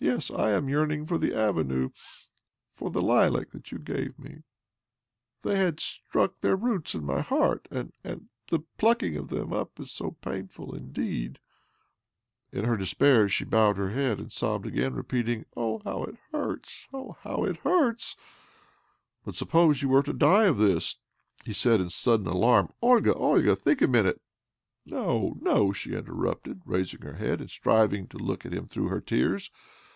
Yes, I am yearn ing for the avenue, and for the lilac that you gave me ... They had struck their roots OBLOMOV 229 into my heart, апсі^ алсі the plucking: of them up is painful indeed I " In her despair she bowed her head, and sobbed again — repeating :' Oh, how it hurts I Oh, how it hurts !"' But suppose you were to die of this ?" he said in sudden alarm .' Olga, Olga ! Think a moment 1 "' No, no," she interrupted, raising her head, and strivings to look at him thro, ugh her tears